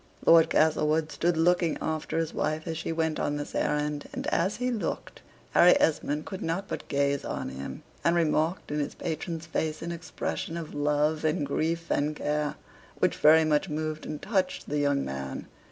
Lord Castlewood stood looking after his wife as she went on this errand, and as he looked, Harry Esmond could not but gaze on him, and remarked in his patron's face an expression of love, and grief, and care, which very much moved and touched the young man.